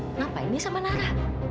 kenapa ini sama nara